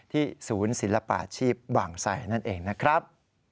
ที่ศูนย์ศิลปาอาชีพหวังใส่นั่นเองนะครับ